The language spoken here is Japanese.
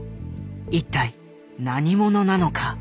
一体何者なのか？